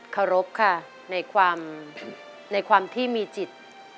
เคารพค่ะในความที่มีจิต